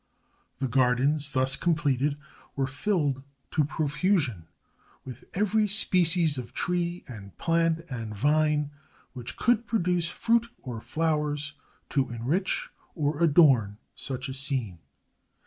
The gardens, thus completed, were filled to profusion with every species of tree, and plant, and vine, which could produce fruit or flowers to enrich or adorn such a scene.